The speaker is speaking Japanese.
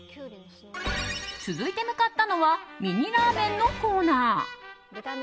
続いて向かったのはミニラーメンのコーナー。